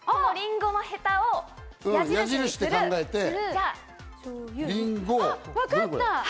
「リンゴ」のヘタを矢印にすわかった！